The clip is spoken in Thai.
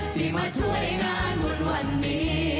ที่มาช่วยงานวันนี้